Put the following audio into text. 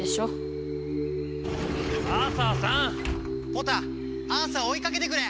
ポタアーサーをおいかけてくれ！